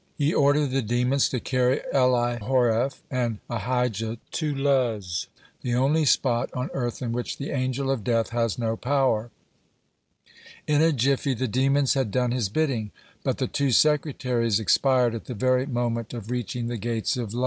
He ordered the demons to carry Elihoreph and Ahijah to Luz, the only spot on earth in which the Angel of Death has no power. (98) In a jiffy, the demons had done his bidding, but the two secretaries expired at the very moment of reaching the gates of Luz.